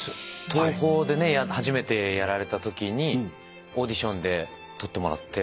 東宝でね初めてやられたときにオーディションで取ってもらって。